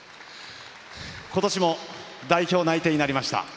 今年も代表内定になりました。